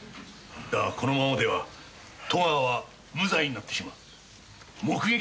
だがこのままでは戸川は無罪になってしまう。